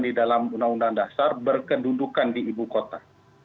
di dalam undang undang dasar berkedudukan di ibu kota